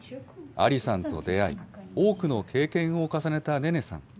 アリさんと出会い、多くの経験を重ねたネネさん。